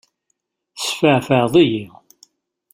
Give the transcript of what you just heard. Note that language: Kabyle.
Tesfeεfεeḍ-iyi!